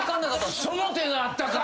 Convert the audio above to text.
その手があったか。